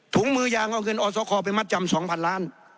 ถุงมือยางเอาเงินออสโคไปมัดจำสองพันล้าน